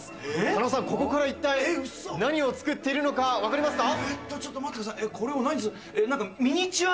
狩野さん、ここから一体、何を作っているのか分かりますか？